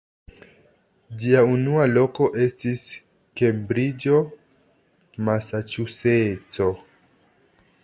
Ĝia unua loko estis Kembriĝo, Masaĉuseco.